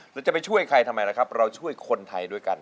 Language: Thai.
จะไปช่วยใครทำไมล่ะครับเราช่วยคนไทยด้วยกัน